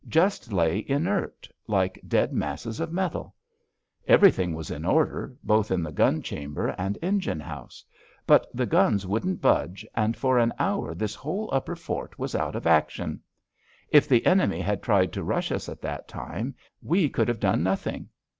Just lay inert, like dead masses of metal. Everything was in order, both in the gun chamber and engine house. But the guns wouldn't budge, and for an hour this whole upper fort was out of action. If the enemy had tried to rush us at that time, we could have done nothing!